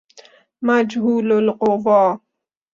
مجهول القوا